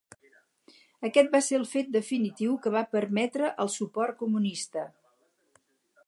Aquest va ser el fet definitiu que va permetre el suport comunista.